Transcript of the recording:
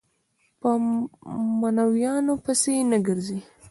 په معنوياتو پسې نه ګرځي.